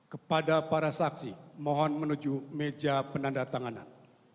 kepada para saksi mohon menuju meja penanda tanganan